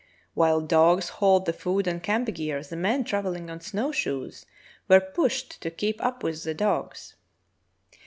While dogs hauled the food and camp gear, the men travelling on snow shoes were pushed to keep up with the dogs.